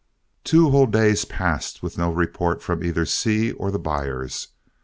Two whole days passed with no report from either Seay or the buyers.